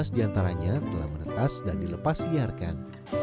dua ratus lima belas diantaranya telah menetas dan dilepas liarkan